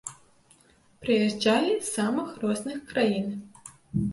Прыязджалі з самых розных краін.